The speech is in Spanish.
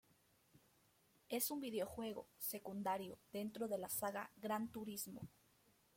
Es un videojuego secundario dentro de la saga Gran Turismo.